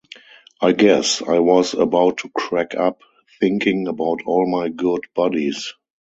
I guess I was about to crack up thinking about all my good buddies.